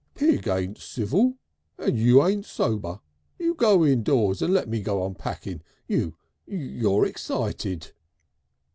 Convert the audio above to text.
"Pig ain't civil, and you ain't sober. You go indoors and lemme go on unpacking. You you're excited."